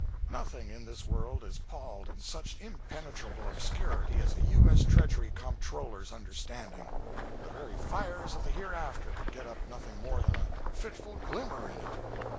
Nothing in this world is palled in such impenetrable obscurity as a U.S. Treasury Comptroller's understanding. The very fires of the hereafter could get up nothing more than a fitful glimmer in it.